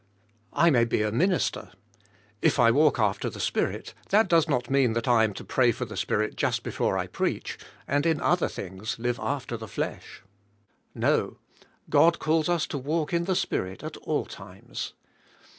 I may be a minister, if I walk after the Spirit, that does not mean that I am to pray for the Spirit just before I preach, and in other things live after the flesh. No, God calls us to walk in the Spirit at all times.